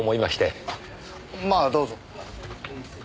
まあどうぞ。